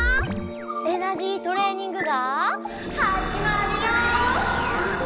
エナジートレーニングがはじまるよ！